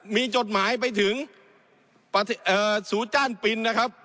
มีจดหมายไปถึงสูจ้านปินนะครับ